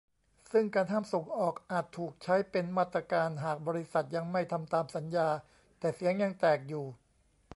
ซึ่งการห้ามส่งออกอาจถูกใช้เป็นมาตรการหากบริษัทยังไม่ทำตามสัญญา แต่เสียงยังแตกอยู่